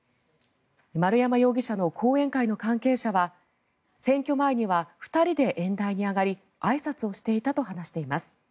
丸山容疑者の後援会の関係者は選挙前には２人で演台に上がりあいさつをしていたと話しています。